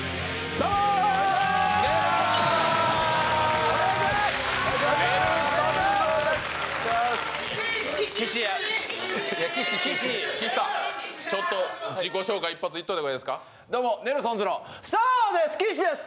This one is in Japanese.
どうもネルソンズのそうです岸です！